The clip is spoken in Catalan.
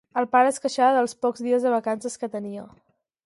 El pare es queixava dels pocs dies de vacances que tenia.